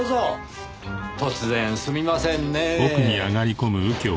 突然すみませんねぇ。